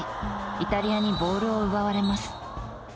イタリアにボールを奪われます。